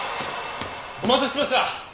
お待たせしました！